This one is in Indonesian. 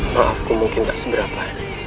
maafku mungkin tak seberapa